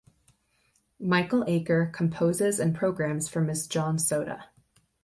Michael Acher composes and programs for Ms. John Soda.